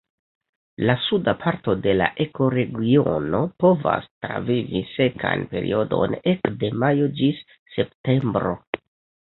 La suda parto de la ekoregiono povas travivi sekan periodon ekde majo ĝis septembro.